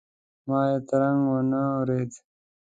ما یې ترنګ وانه ورېد.